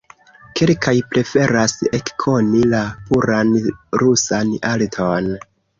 Kelkaj preferas ekkoni la puran rusan arton.